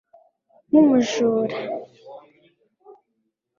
nkumujura